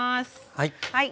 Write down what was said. はい。